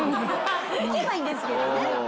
聞けばいいんですけどね。